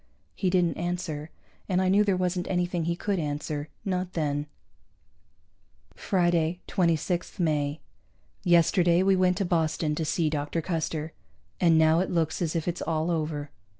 He didn't answer, and I knew there wasn't anything he could answer. Not then. Friday, 26 May. Yesterday we went to Boston to see Dr. Custer, and now it looks as if it's all over.